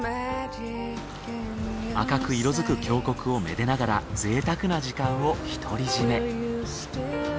赤く色づく峡谷を愛でながら贅沢な時間を一人占め。